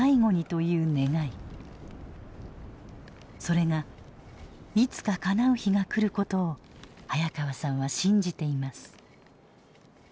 それがいつかかなう日が来ることを早川さんは信じています。